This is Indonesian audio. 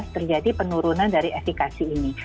terjadi penurunan dari efikasi ini